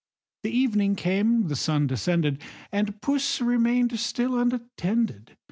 The evening came, the sun descended, And Puss remain'd still unattended.